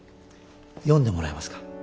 読んでもらえますか？